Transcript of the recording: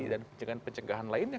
dan pencegahan lainnya